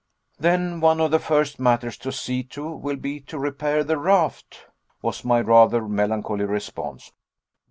"Then one of the first matters to see to will be to repair the raft," was my rather melancholy response.